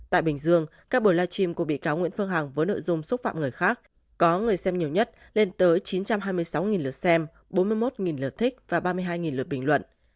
tại bình dương các buổi live stream của bị cáo nguyễn phương hằng với nội dung xúc phạm người khác có người xem nhiều nhất lên tới chín trăm hai mươi sáu lượt xem bốn mươi một lượt thích và ba mươi hai lượt bình luận